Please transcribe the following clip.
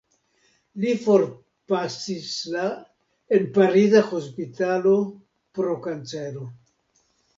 Li forpasis la en pariza hospitalo pro kancero.